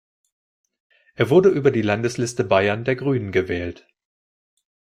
Er wurde über die Landesliste Bayern der Grünen gewählt.